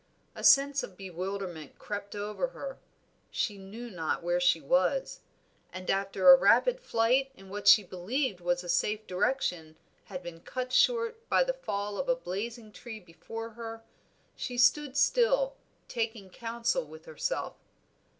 A sense of bewilderment crept over her; she knew not where she was; and after a rapid flight in what she believed a safe direction had been cut short by the fall of a blazing tree before her, she stood still, taking counsel with herself.